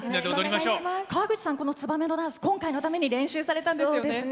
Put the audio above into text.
川口さんは「ツバメ」のダンス今回のために練習されたんですよね。